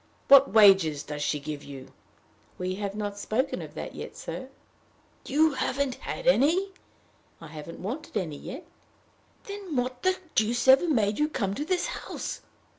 What wages does she give you?" "We have not spoken about that yet, sir." "You haven't had any?" "I haven't wanted any yet." "Then what the deuce ever made you come to this house?"